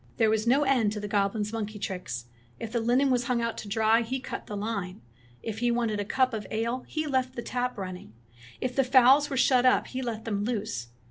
"There was no end to the goblin's monkey tricks. If the linen was hung out to dry, he cut the line. If he wanted a cup of ale he left the tap running. If the fowls were shut up he let them loose.